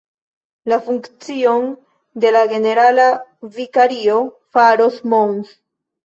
La funkcion de la generala vikario faras Mons.